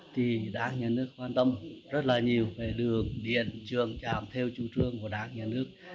thì đảng nhà nước là rất là nhiều về đường điện trường chạm theo chu cư dương của đảng nhà nước